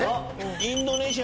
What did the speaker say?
インドネシア。